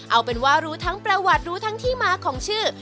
เอาเป็นว่ารู้ทั้งประวัติรู้ทั้งที่มาของชื่อ